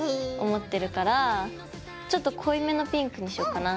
思ってるからちょっと濃いめのピンクにしようかな。